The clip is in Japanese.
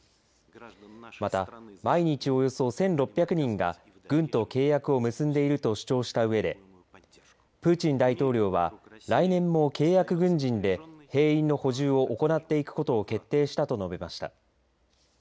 また、毎日およそ１６００人が軍と契約を結んでいると主張したうえでプーチン大統領は来年も契約軍人で兵員の補充を行っていくことを決定したと述べました。